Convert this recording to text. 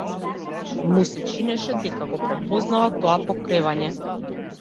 Му се чинеше дека го препознава тоа покревање.